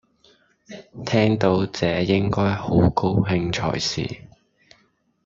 聽到這應該好高興才是